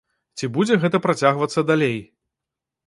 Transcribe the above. Ці будзе гэта працягвацца далей?